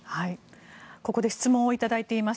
ここで質問をいただいています。